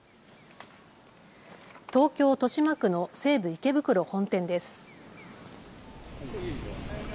東京豊島区の西武池袋本店です。